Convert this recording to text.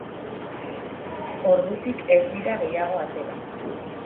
Ordutik ez dira gehiago atera.